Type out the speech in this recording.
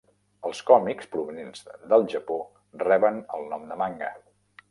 Els còmics provinents del Japó reben el nom de manga.